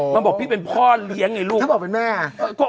มันบอกพี่เป็นพ่อเลี้ยงไงลูก